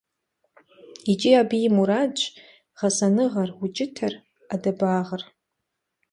ИкӀи абы и мардэщ гъэсэныгъэр, укӀытэр, Ӏэдэбагъыр.